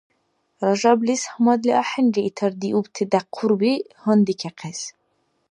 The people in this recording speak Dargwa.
Ражаблис гьамадли ахӀенри итар диубти дяхъурби гьандикахъес.